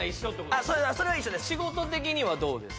ああそれは一緒です